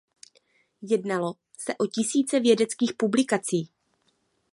Jednalo se o tisíce vědeckých publikací.